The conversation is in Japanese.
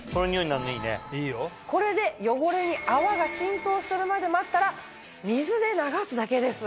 これで汚れに泡が浸透するまで待ったら水で流すだけです。